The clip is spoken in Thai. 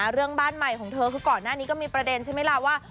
เรื่องบ้านใหม่ของเธอคือก่อนหน้านี้ก็มีประเด็นใช่ไหมล่ะว่า